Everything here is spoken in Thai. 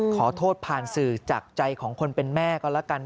ขอโทษผ่านสื่อจากใจของคนเป็นแม่ก็แล้วกัน